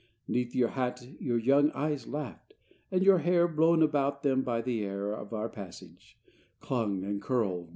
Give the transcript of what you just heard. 'Neath your hat Your young eyes laughed; and your hair, Blown about them by the air Of our passage, clung and curled.